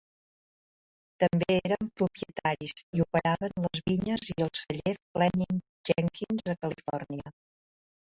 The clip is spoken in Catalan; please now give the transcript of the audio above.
També eren propietaris i operaven les vinyes i el celler Fleming Jenkins a Califòrnia.